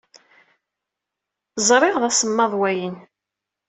Ẓṛiɣ, d asemmaḍ wayen.